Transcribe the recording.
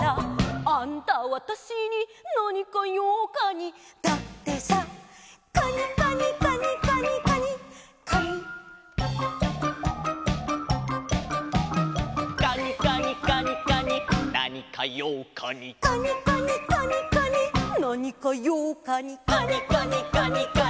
「あんたわたしになにかようカニだってさ」「カニカニカニカニカニカニ」「カニカニカニカニなにかようカニ」「カニカニカニカニなにかようカニ」「カニカニカニカニ」